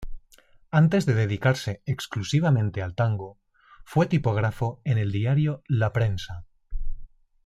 Antes de dedicarse exclusivamente al tango fue tipógrafo en el diario "La Prensa".